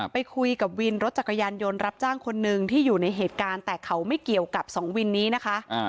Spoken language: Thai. ไปคุยกับวินรถจักรยานยนต์รับจ้างคนนึงที่อยู่ในเหตุการณ์แต่เขาไม่เกี่ยวกับสองวินนี้นะคะ